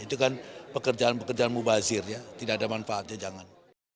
itu kan pekerjaan pekerjaan mubazir ya tidak ada manfaatnya jangan